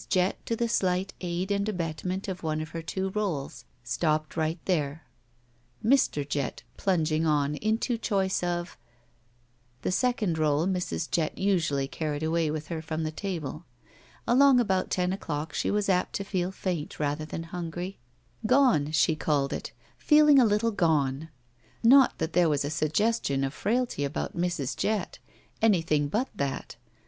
Jett, to the slight aid and abetment of one of her two rolls, stopped right there; Mr. Jett plunging on into choice of — The second roU Mrs. Jett usually carried away with her from the table. Along about ten o'clock she was apt to feel faint rather than hungry. Gone," she called it. "Peeling a little gone.*' Not that there was a suggestion of frailty about Mrs. Jett. Anjrthing but that.